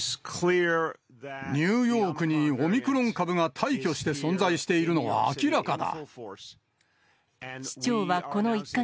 ニューヨークにオミクロン株が大挙して存在しているのは明らかだ。